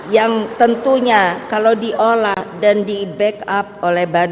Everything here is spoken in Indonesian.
yang tentunya kalau diolah dan di backup oleh badan